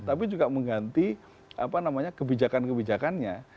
tapi juga mengganti kebijakan kebijakannya